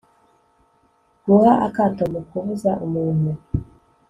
guha akato nu kubuza umuntu